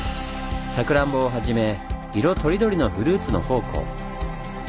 サクランボをはじめ色とりどりのフルーツの宝庫。